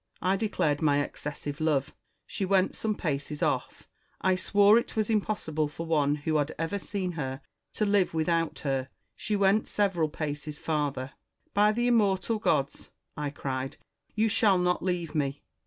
I declared my excessive love : she went some paces ofi". I swore it was impossible for one who had ever seen her to live without her : she went several paces farther. ' By the immortal gods!' I cried, 'you shall not leave me!'